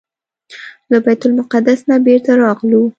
له بیت المقدس نه بیرته راغلو.